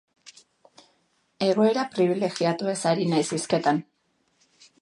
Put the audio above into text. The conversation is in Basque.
Egoera pribilegiatuez ari naiz hizketan.